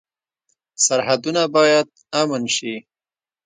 سرحدونه باید امن شي